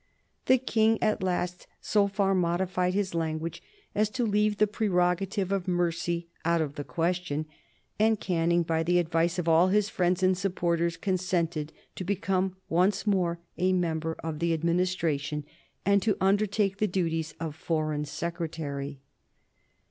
The King, at last, so far modified his language as to leave the prerogative of mercy out of the question, and Canning, by the advice of all his friends and supporters, consented to become once more a member of the Administration and to undertake the duties of Foreign Secretary.